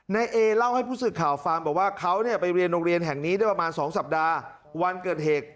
นายเอเล่าให้ผู้สื่อข่าวฟังบอกว่าเขาไปเรียนโรงเรียนแห่งนี้ได้ประมาณ๒สัปดาห์วันเกิดเหตุ